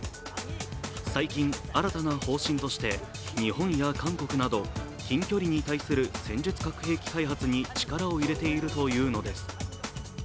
最近、新たな方針として日本や韓国など近距離に対する戦術核兵器開発に力を入れているというのです。